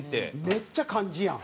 めっちゃ漢字やん！